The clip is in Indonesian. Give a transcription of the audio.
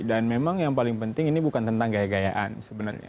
dan memang yang paling penting ini bukan tentang gaya gayaan sebenarnya